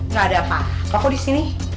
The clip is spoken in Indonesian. gak ada apa apa kok disini